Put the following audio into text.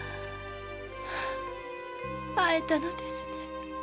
会えたのですね。